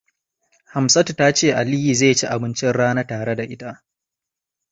Hamsatu ta ce Aliyu zai ci abincin rana tare da ita.